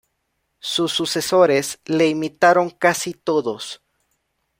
Sus sucesores le imitaron casi todos.